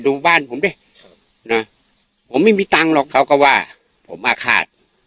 ดูบ้านผมดิผมไม่มีตังค์หรอกเขาก็ว่าผมอาฆาต